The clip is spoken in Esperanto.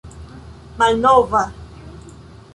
malnova